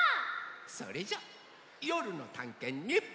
それじゃあよるのたんけんに。